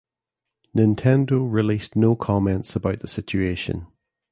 Nintendo released no comments about the situation.